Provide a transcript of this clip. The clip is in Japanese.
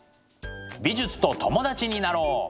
美術と友達になろう！